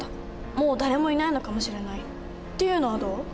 もう誰もいないのかもしれない」っていうのはどう？